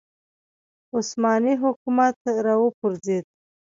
عثماني حکومت راوپرځېد